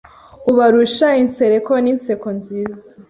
Ubarusha insereko n’inseko nziza